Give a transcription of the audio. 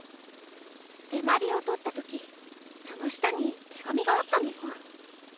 手まりを取ったときその下に手紙があったのよ。